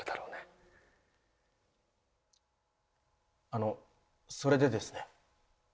あのそれでですね